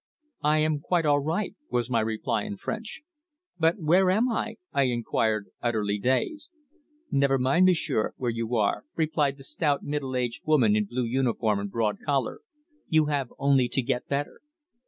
"I am quite all right," was my reply in French. "But where am I?" I inquired, utterly dazed. "Never mind, m'sieur, where you are," replied the stout, middle aged woman in blue uniform and broad collar. "You have only to get better."